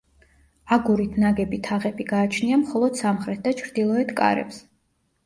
აგურით ნაგები თაღები გააჩნია მხოლოდ სამხრეთ და ჩრდილოეთ კარებს.